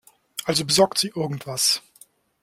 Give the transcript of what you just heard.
Also besorgt sie irgendwas.